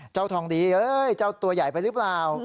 เจ้าทองดีเอ้ยเจ้าตัวใหญ่ไปหรือเปล่า